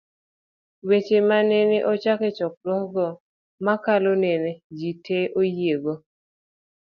Weche manene owach e Chokruogno mokalo nene jite oyiego